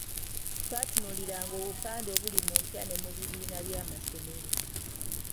Twatunuuliranga obupande obuli mu mpya ne mu bibiina bya amasomero.